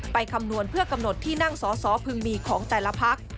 คำนวณเพื่อกำหนดที่นั่งสอสอพึงมีของแต่ละพัก